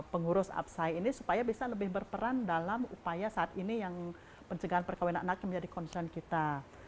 pengurus apsai ini supaya bisa lebih berperan dalam upaya saat ini yang pencegahan perkawinan anak yang menjadi concern kita